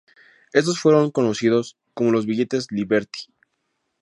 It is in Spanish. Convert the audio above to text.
Estos fueron conocidos como los billetes "Liberty".